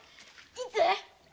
いつ？